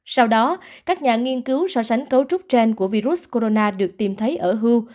sau đó các nhà nghiên cứu so sánh cấu trúc trên của virus corona được tìm thấy ở hưu